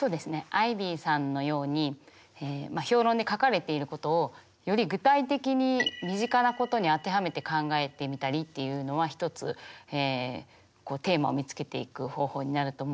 アイビーさんのように評論に書かれていることをより具体的に身近なことに当てはめて考えてみたりっていうのは一つテーマを見つけていく方法になると思います。